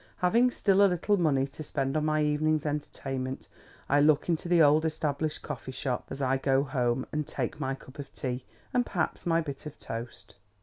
Having still a little money to spend on my evening's entertainment, I look into the old established coffee shop as I go home, and take my cup of tea, and perhaps my bit of toast.